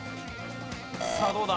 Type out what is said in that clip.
さあどうだ？